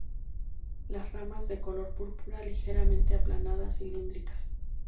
Las ramas de color púrpura, ligeramente aplanadas, cilíndricas.